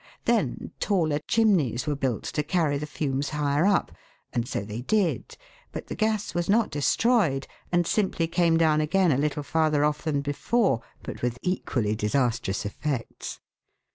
Then taller chimneys were built to carry the fumes higher up, and so they did ; but the gas was not destroyed, and simply came down again a little farther off than before, but with equally disastrous effects.